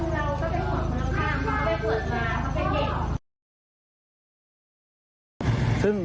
มันเป็นแบบ